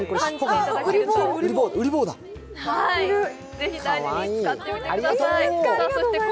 ぜひ大事に使ってみてください。